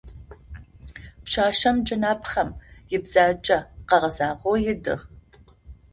Пшъашъэм джэнапхъэм ибзаджэ къэгъэзагъэу ыдыгъ.